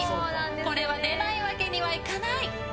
これは出ないわけにはいかない！